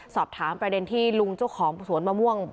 สอบถามประเด็นที่ลุงเจ้าของสวนมะม่วง